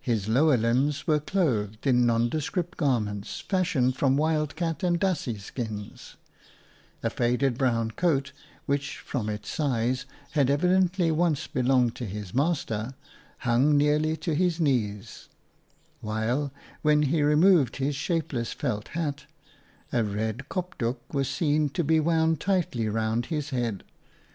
His lower limbs were clothed in nondescript garments fashioned from wildcat and dassie skins ; a faded brown coat, which from its size had evidently once belonged to his master, hung nearly to his knees ; while, when he removed his shapeless felt hat, a red kopdoek was seen to be wound tightly round his head.